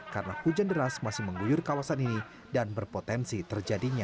karena hujan deras masih mengguyur kawasan ini dan berpotensi terjadinya